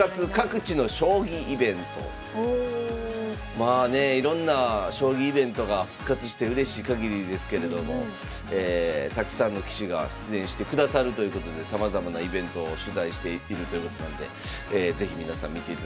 まあねいろんな将棋イベントが復活してうれしいかぎりですけれどもたくさんの棋士が出演してくださるということでさまざまなイベントを取材しているということなんで是非皆さん見ていただきたいと思います。